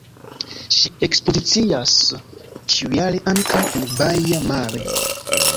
Ŝi ekspozicias ĉiujare ankaŭ en Baia Mare.